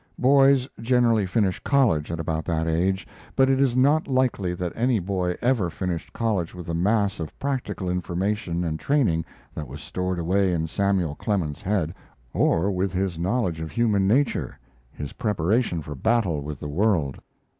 Boys generally finish college at about that age, but it is not likely that any boy ever finished college with the mass of practical information and training that was stored away in Samuel Clemens's head, or with his knowledge of human nature, his preparation for battle with the world.